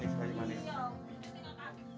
baik manis baik manis